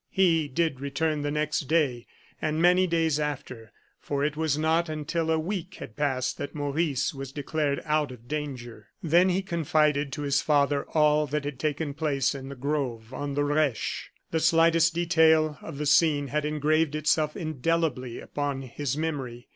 He did return the next day and many days after, for it was not until a week had passed that Maurice was declared out of danger. Then he confided to his father all that had taken place in the grove on the Reche. The slightest detail of the scene had engraved itself indelibly upon his memory.